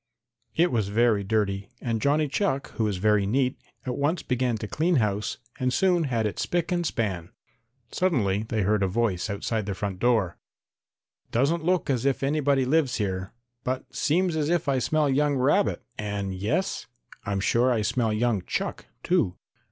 It was very dirty, and Johnny Chuck, who is very neat, at once began to clean house and soon had it spick and span. Suddenly they heard a voice outside the front door. "Doesn't look as if anybody lives here, but seems as if I smell young rabbit and yes, I'm sure I smell young chuck, too.